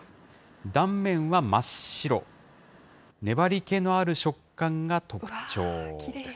断面は真っ白、粘りけのある食感が特徴です。